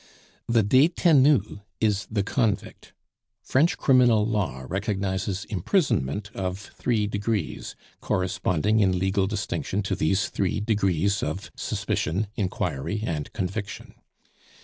The detenu is the convict. French criminal law recognizes imprisonment of three degrees, corresponding in legal distinction to these three degrees of suspicion, inquiry, and conviction.